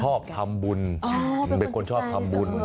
ชอบทำบุญเป็นคนชอบทำบุญ